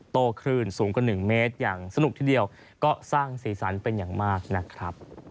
โตคลื่นสูงกว่า๑เมตรอย่างสนุกทีเดียวก็สร้างสีสันเป็นอย่างมากนะครับ